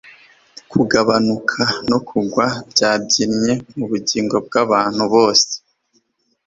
Kugabanuka no kugwa byabyinnye mubugingo bwabantu bose